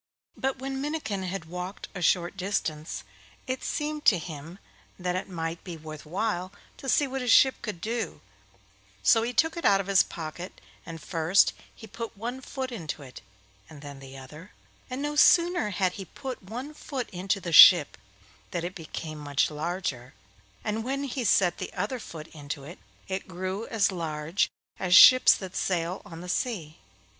But when Minnikin had walked a short distance, it seemed to him that it might be worth while to see what his ship could do; so he took it out of his pocket, and first he put one foot into it, and then the other, and no sooner had he put one foot into the ship than it became much larger, and when he set the other foot into it, it grew as large as ships that sail on the sea.